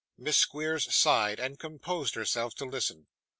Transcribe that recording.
Miss Squeers sighed, and composed herself to listen.